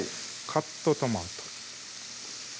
カットトマト